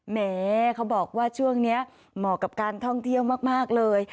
แหมเขาบอกว่าช่วงนี้เหมาะกับการท่องเที่ยวมากเลย